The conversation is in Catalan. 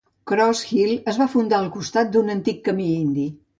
Cross Hill es va fundar al costat d'un antic camí indi.